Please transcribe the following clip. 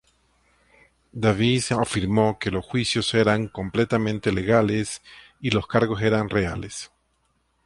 Davies afirmó que los juicios eran completamente legales y los cargos eran reales.